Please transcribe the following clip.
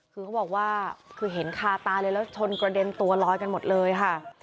คือเขาบอกว่าคือเห็นคาตาเลยแล้วชนกระเด็นตัวลอยกันหมดเลยค่ะ